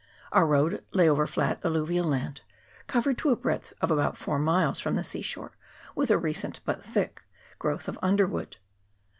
Our road lay over flat alluvial land, covered to a breadth of about four miles from the sea shore with a recent but thick growth of underwood.